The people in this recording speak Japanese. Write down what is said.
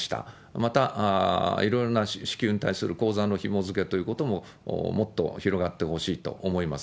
また、いろいろな支給に対する口座のひもづけということももっと広がってほしいと思います。